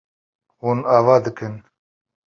Hûn ava dikin.